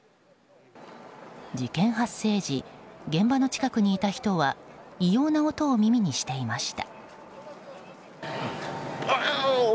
事件発生時現場の近くにいた人は異様な音を耳にしていました。